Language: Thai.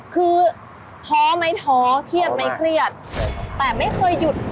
คือท้อไหมท้อเครียดไหมเครียดแต่ไม่เคยหยุด